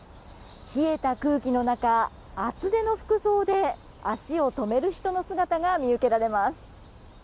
冷えた空気の中、厚手の服装で足を止める人の姿が見受けられます。